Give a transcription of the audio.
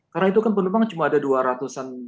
karena itu kan penumpang cuma ada dua ratus an orang